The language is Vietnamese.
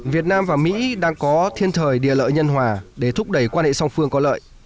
việt nam và mỹ đang có thiên thời địa lợi nhân hòa để thúc đẩy quan hệ song phương có lợi